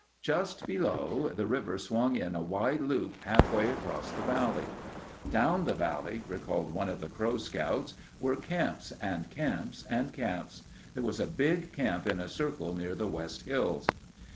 Just below, the river swung in a wide loop halfway across the valley. "Down the valley," recalled one of the Crow scouts, "were camps and camps and camps. There was a big camp in a circle near the west hills."